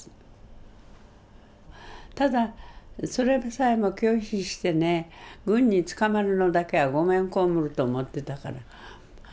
ただそれさえも拒否してね軍に捕まるのだけは御免被ると思ってたから。